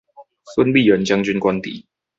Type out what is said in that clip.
孫立人將軍官邸